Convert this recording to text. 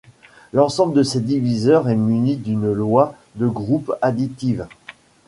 L'ensemble de ces diviseurs est muni d'une loi de groupe additive.